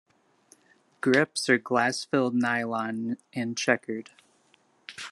Grips are glass-filled nylon and checkered.